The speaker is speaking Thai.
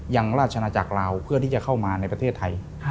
ราชนาจักรลาวเพื่อที่จะเข้ามาในประเทศไทย